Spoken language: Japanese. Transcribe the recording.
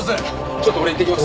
ちょっと俺行ってきます。